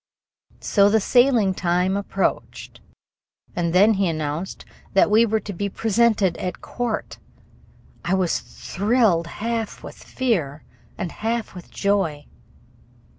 So the sailing time approached, and then he announced that we were to be presented at court! I was thrilled half with fear and half with joy.